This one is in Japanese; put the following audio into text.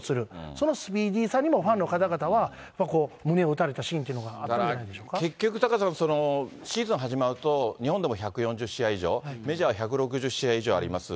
そのスピーディーさにも、ファンの方々は胸を打たれたシーンというのがあったんじゃないで結局、タカさん、シーズン始まると、日本でも１４０試合以上、メジャーは１６０試合以上あります。